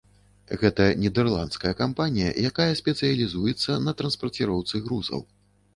Гэта нідэрландская кампанія, якая спецыялізуецца на транспарціроўцы грузаў.